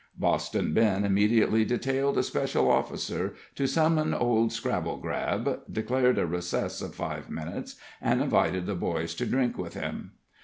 Boston Ben immediately detailed a special officer to summon Old Scrabblegrab, declared a recess of five minutes, and invited the boys to drink with him.